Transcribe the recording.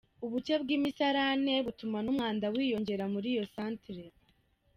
Ubuke bw’imisarane butuma n’umwanda wiyongera muri iyo santere.